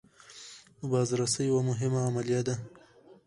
بازرسي یوه مهمه عملیه ده.